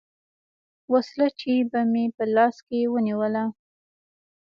وسله چې به مې په لاس کښې ونېوله.